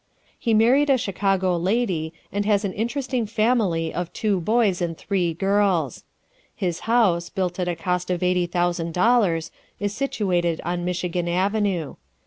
He married a Chicago lady, and has an interesting family of two boys and three girls. His house, built at a cost of $80,000, is situated on Michigan Avenue.